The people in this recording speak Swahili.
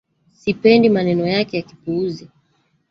Sipendi maneno yake ya kiupuzi